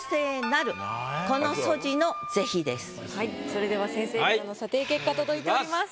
それでは先生からの査定結果届いております。